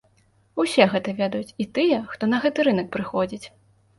Усе гэта ведаюць, і тыя, хто на гэты рынак прыходзіць.